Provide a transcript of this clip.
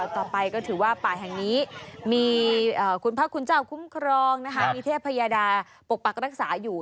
ต่อไปก็ถือว่าป่าแห่งนี้มีคุณพระคุณเจ้าคุ้มครองมีเทพยาดาปกปักรักษาอยู่